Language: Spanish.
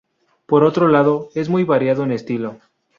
Por otro lado, es muy variada en estilo.